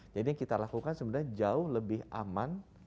jadi yang kita lakukan sebenarnya jauh lebih aman